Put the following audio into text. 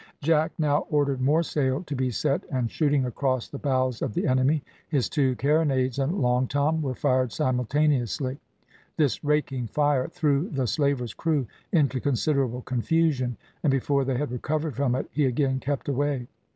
Jack now ordered more sail to be set, and shooting across the bows of the enemy, his two carronades and Long Tom were fired simultaneously. This raking fire threw the slaver's crew into considerable confusion, and before they had recovered from it, he again kept away.